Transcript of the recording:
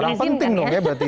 orang penting dong ya berarti ya